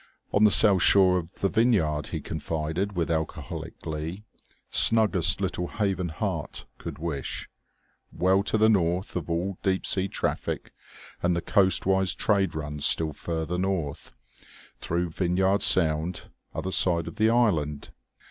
"On the south shore of the Vineyard," he confided with alcoholic glee: "snuggest little haven heart could wish, well to the north of all deep sea traffic; and the coastwise trade runs still farther north, through Vineyard Sound, other side the island.